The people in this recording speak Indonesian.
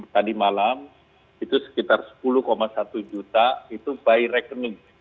tadi malam itu sekitar sepuluh satu juta itu by rekening